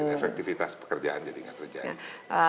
efektivitas pekerjaan jadi tidak terjadi